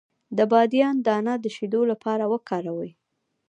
د بادیان دانه د شیدو لپاره وکاروئ